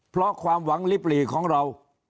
เพราะความหวังลิบหลีของเรา